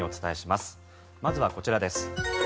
まずはこちらです。